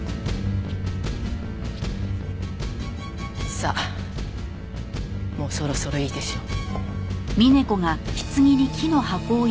さあもうそろそろいいでしょう。